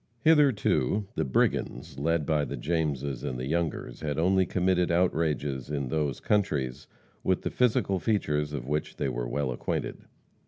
Hitherto the brigands, led by the Jameses and the Youngers, had only committed outrages in those countries with the physical features of which they were well acquainted.